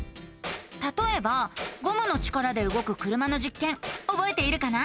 たとえばゴムの力でうごく車のじっけんおぼえているかな？